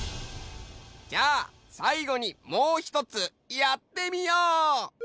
じゃあさいごにもうひとつやってみよう！